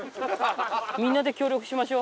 みんなで協力しましょ。